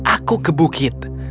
aku ke bukit